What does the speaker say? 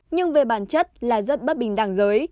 nhưng về bản chất là rất bất bình đẳng giới